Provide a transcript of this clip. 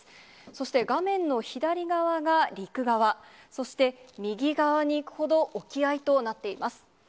そして画面の左側が陸側、そして右側に行くほど、沖合となっています。